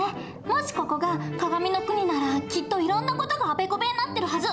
もしここが鏡の国ならきっといろんな事があべこべになってるはず。